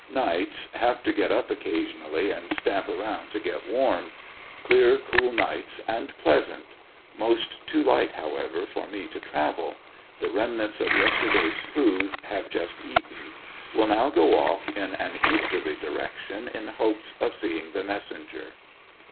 Nights have to get up occasionally and stamp around to get warm. Clear, cool nights and pleasant. Most too light, however, for me to travel. The remnants of yesterday's food, have just eaten. Will now go off m an easterly direction in hopes of seeing the messen ger.